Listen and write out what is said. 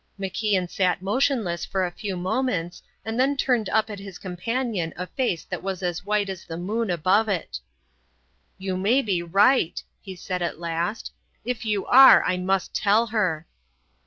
MacIan sat motionless for a few moments and then turned up at his companion a face that was as white as the moon above it. "You may be right," he said at last; "if you are, I must tell her."